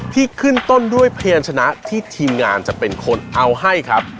ที่ขึ้นต้นด้วยพยานชนะที่ทีมงานจะเป็นคนเอาให้ครับ